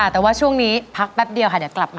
สุดยังไม่หมดครับ